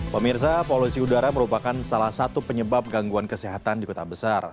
pemirsa polusi udara merupakan salah satu penyebab gangguan kesehatan di kota besar